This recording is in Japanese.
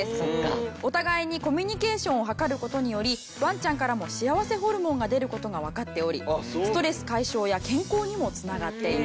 お互いにコミュニケーションを図る事によりワンちゃんからも幸せホルモンが出る事がわかっておりストレス解消や健康にもつながっています。